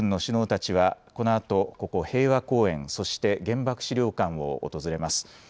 Ｇ７の首脳たちは、このあとここ平和公園、そして原爆資料館を訪れます。